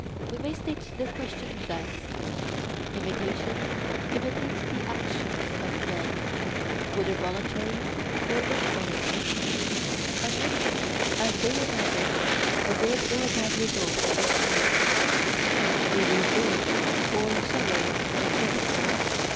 We may state the question thus:—Imitation imitates the actions of men, whether voluntary or involuntary, on which, as they imagine, a good or bad result has ensued, and they rejoice or sorrow accordingly.